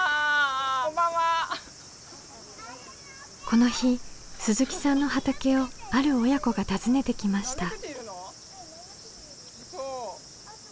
この日鈴木さんの畑をある親子が訪ねてきました。